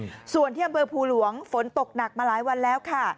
อืมส่วนที่อำเภอภูหลวงฝนตกหนักมาหลายวันแล้วค่ะ